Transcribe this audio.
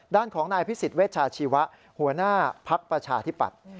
ด้านของนายพิสิทธิเวชาชีวะหัวหน้าภักดิ์ประชาธิปัตย์